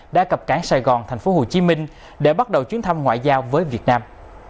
đã cập cảng sài gòn tp hcm để bắt đầu chuyến thăm ngoại giao với việt nam